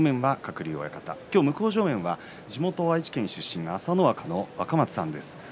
今日、向正面は地元愛知県出身朝乃若の若松さんです。